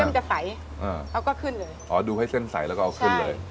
มันจะใสอ่าเขาก็ขึ้นเลยอ๋อดูให้เส้นใสแล้วก็เอาขึ้นเลย